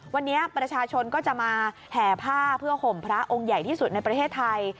วันนี้ประชาชนก็จะมาแห่ผ้าเพื่อห่มพระองค์ใหญ่ที่สุดในประเทศไทย